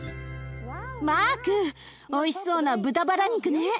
マークおいしそうな豚ばら肉ね。